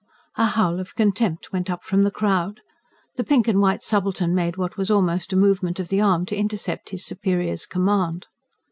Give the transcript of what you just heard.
A howl of contempt went up from the crowd. The pink and white subaltern made what was almost a movement of the arm to intercept his superior's command.